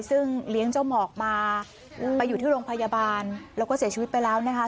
ซึ่งเลี้ยงเจ้าหมอกมาไปอยู่ที่โรงพยาบาลแล้วก็เสียชีวิตไปแล้วนะคะ